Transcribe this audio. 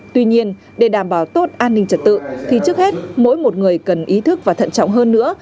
tuy nhiên để đảm bảo tốt an ninh trật tự thì trước hết mỗi một người cần ý thức và thận trọng hơn nữa